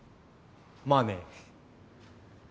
まあね。